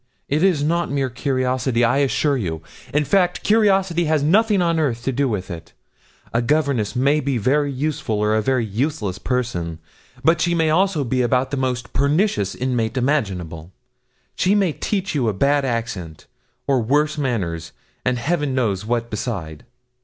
It is not mere curiosity, I assure you. In fact, curiosity has nothing on earth to do with it. A governess may be a very useful or a very useless person; but she may also be about the most pernicious inmate imaginable. She may teach you a bad accent, and worse manners, and heaven knows what beside.